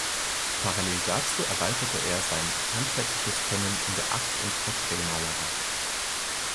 Parallel dazu erweiterte er sein handwerkliches Können in der Akt- und Porträtmalerei.